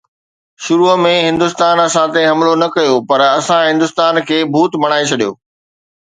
شروع ۾ هندستان اسان تي حملو نه ڪيو پر اسان هندستان کي ڀوت بڻائي ڇڏيو.